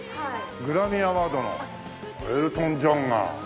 グラミーアワードのエルトン・ジョンが。